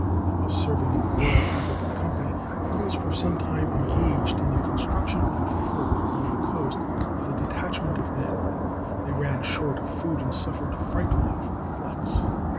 While serving in the Royal African Company he was for some time engaged in the construction of a fort upon the coast with a detachment of men. They ran short of food, and suffered frightfully from flux.